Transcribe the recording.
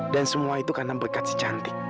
dan semua itu karena berkat si cantik